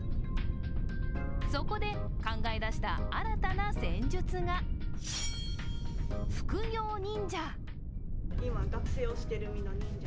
そこで考え出した新たな戦術が副業忍者。